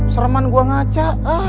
sereman gua ngaca